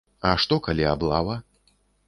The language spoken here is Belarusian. А што, калі аблава?